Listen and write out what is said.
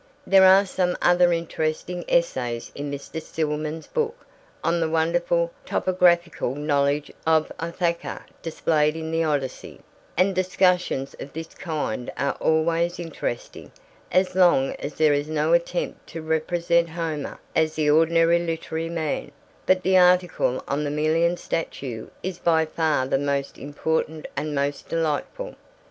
There are some other interesting essays in Mr. Stillman's book on the wonderful topographical knowledge of Ithaca displayed in the Odyssey, and discussions of this kind are always interesting as long as there is no attempt to represent Homer as the ordinary literary man; but the article on the Melian statue is by far the most important and the most delightful.